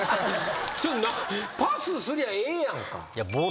パスすりゃええやんか。